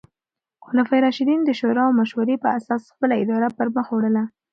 خلفای راشدین د شورا او مشورې په اساس خپله اداره پر مخ وړله.